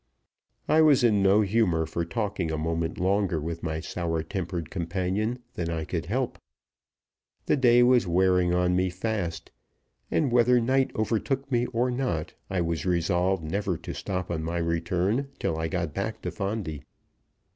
I was in no humor for talking a moment longer with my sour tempered companion than I could help. The day was wearing on me fast; and, whether night overtook me or not, I was resolved never to stop on my return till I got back to Fondi.